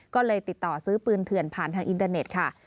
ก็เลยติดต่อซื้อปืนเถื่อนผ่านทางอินเตอร์เน็ตค่ะ